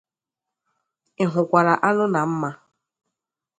Ị hụkwàrà anụ na mma